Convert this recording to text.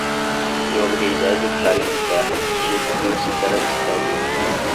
Eu aluguei dez hectares de terra e descobriu-se que era estéril.